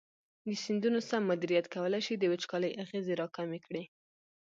د سیندونو سم مدیریت کولی شي د وچکالۍ اغېزې راکمې کړي.